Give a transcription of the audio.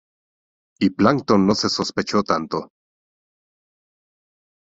Y Plankton no se sospechó tanto.